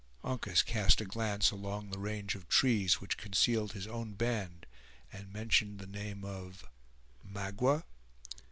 Uncas cast a glance along the range of trees which concealed his own band and mentioned the name of: "Magua?"